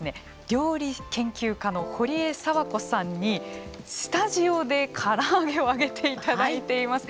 料理研究家のほりえさわこさんにスタジオでから揚げを揚げていただいています。